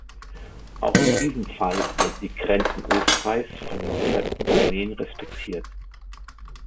Auch in diesem Fall wurden die Grenzen Österreichs von den fremden Armeen respektiert.